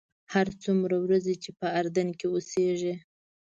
هر څومره ورځې چې په اردن کې اوسېږې.